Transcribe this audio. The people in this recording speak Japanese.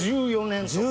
１４年？